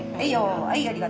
はいありがとう。